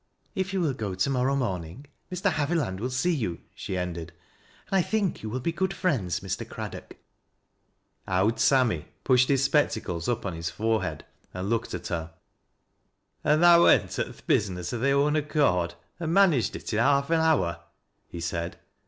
" If you will go to morrow morning, Mr. Haviland will Bee you,'' she ended; "and I think you will be good frifends, Mr. Craddock." " Owd Sammy " pushed his spectacles up on his forehead, and looked at her. " An' tha went at th' business o' thy own acccrd an" managt it i' haaf an hour !" he said.